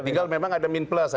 tinggal memang ada min plus